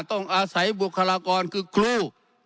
ต้องอาศัยบุคลากรคือครู